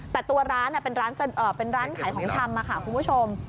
แต่ตัวร้านเป็นร้านขายของชำค่ะคุณผู้ชม